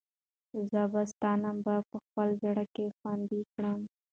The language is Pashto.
زه به ستا نمبر په خپل زړه کې خوندي کړم.